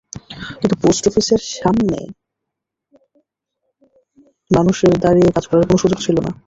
কিন্তু পোস্ট অফিসের সামনে মানুষের দাঁড়িয়ে কাজ করার কোনো সুযোগ ছিল না।